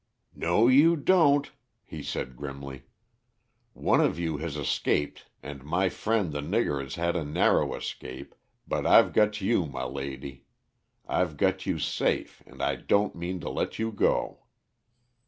"No, you don't," he said grimly. "One of you has escaped and my friend the nigger has had a narrow escape, but I've got you, my lady. I've got you safe and I don't mean to let you go."